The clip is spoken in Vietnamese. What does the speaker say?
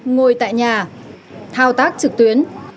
ngồi tại nhà thao tác trực tuyến